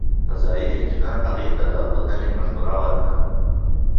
فضايي انجنیر هغې ته د الوتنې مشوره ورکړه.